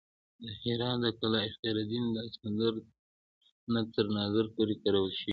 د هرات د قلعه اختیارالدین د الکسندر نه تر نادر پورې کارول شوې